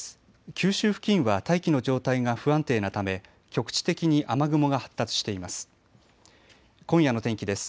九州付近は大気の状態が不安定なため局地的に雨雲が発達しています。